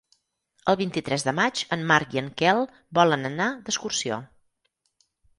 El vint-i-tres de maig en Marc i en Quel volen anar d'excursió.